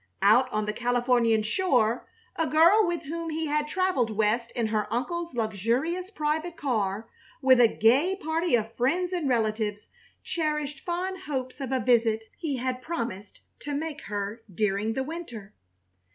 Out on the Californian shore a girl with whom he had traveled West in her uncle's luxurious private car, with a gay party of friends and relatives, cherished fond hopes of a visit he had promised to make her during the winter.